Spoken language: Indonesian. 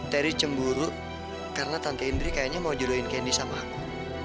teri cemburu karena tante indri kayaknya mau jodohin kendi sama aku